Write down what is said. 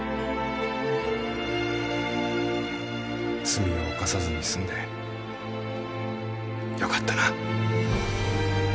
罪を犯さずにすんでよかったな。